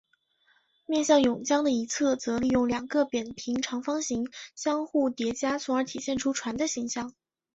面向甬江的一侧则利用两个扁平长方形相互叠加从而体现出船的形象。